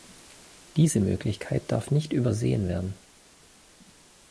Diese Möglichkeit darf nicht übersehen werden.